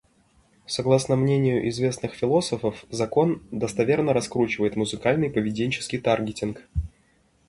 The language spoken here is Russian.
Согласно мнению известных философов, закон достоверно раскручивает музыкальный поведенческий таргетинг.